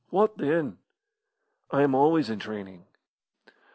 "Wot then?" "I am always in training."